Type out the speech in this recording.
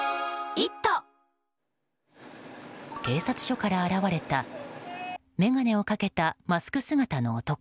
警察署から現れた眼鏡をかけたマスク姿の男。